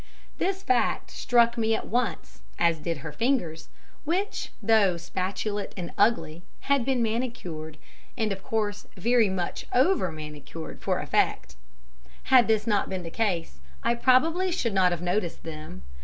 This fact struck me at once, as did her fingers, which, though spatulate and ugly, had been manicured, and of course very much over manicured, for effect. Had this not been the case, I probably should not have noticed them.